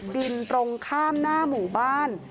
ตรงข้ามหน้าหมู่บ้าน